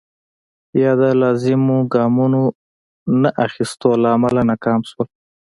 یا د لازمو ګامونو نه اخیستو له امله ناکام شول.